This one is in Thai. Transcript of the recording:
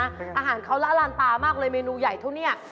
อาหารเขาละลานตามากเลยเมนูใหญ่เท่านี้